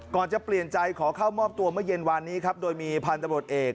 ก่อนจะเปลี่ยนใจขอเข้ามอบตัวเมื่อเย็นวานนี้ครับโดยมีพันธบทเอก